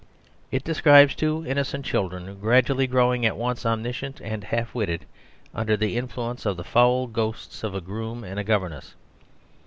It describes two innocent children gradually growing at once omniscient and half witted under the influence of the foul ghosts of a groom and a governess.